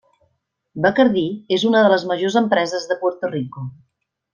Bacardí és una de les majors empreses de Puerto Rico.